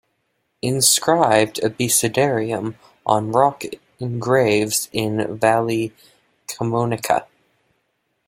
Inscripted abecedarium on rock engraves in Valle Camonica.